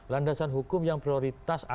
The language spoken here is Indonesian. landasan hukum yang prioritas